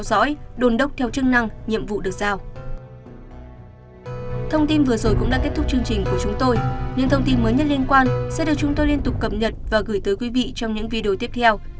sẽ được chúng tôi liên tục cập nhật và gửi tới quý vị trong những video tiếp theo